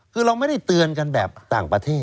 คือเราไม่ได้เตือนกันแบบต่างประเทศ